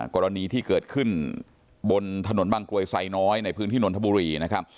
กรณีที่เกิดขึ้นบนถนนบางกรวยไซน้อยในพื้นที่นนทบุรีนะครับ